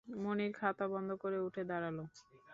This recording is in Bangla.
মুনির খাতা বন্ধ করে উঠে দাঁড়াল।